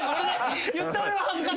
言った俺が恥ずかしい。